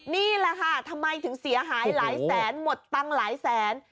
นี่แหละค่ะทำไมถึงเสียหายหลายแสนหมดตังค์หลายแสน